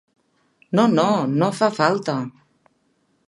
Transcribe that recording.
No, no, no fa falta.